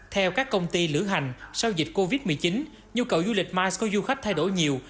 theo các công ty lữ hành sau dịch covid một mươi chín nhu cầu du lịch mice của du khách thay đổi nhiều